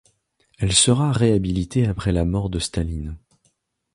Elle sera réhabilitée après la mort de Staline.